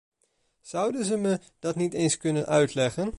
Zouden ze me dat eens kunnen uitleggen?